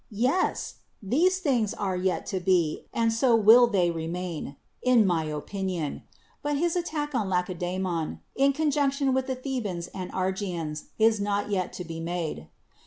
Yes ! these things are yet to be, and so will they remain, in my 114 DEMOSTHENES opinion ; but liis attack on Laceda^mon, in con junction with the Thebaus and Argians, is not yet to be made.